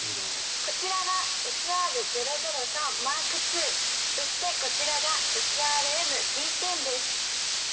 こちらがＳＲ−００３ＭＫ２そしてこちらがＳＲＭ−Ｄ１０です